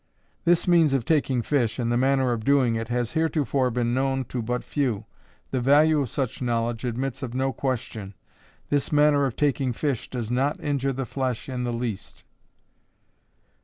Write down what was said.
This means of taking fish, and the manner of doing it, has, heretofore, been known to but few. The value of such knowledge admits of no question. This manner of taking fish does not injure the flesh in the least.